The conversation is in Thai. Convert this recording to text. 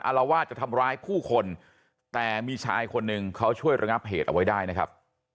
รวาสจะทำร้ายผู้คนแต่มีชายคนหนึ่งเขาช่วยระงับเหตุเอาไว้ได้นะครับ